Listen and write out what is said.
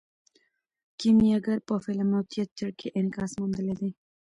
کیمیاګر په فلم او تیاتر کې انعکاس موندلی دی.